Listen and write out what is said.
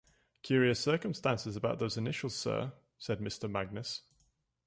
‘Curious circumstance about those initials, sir,’ said Mr. Magnus.